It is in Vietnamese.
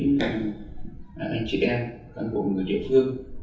với những anh chị em anh bộ người địa phương